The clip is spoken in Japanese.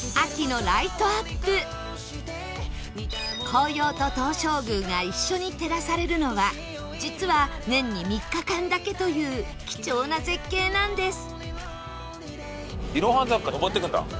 紅葉と東照宮が一緒に照らされるのは実は年に３日間だけという貴重な絶景なんです